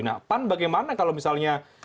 nah pan bagaimana kalau misalnya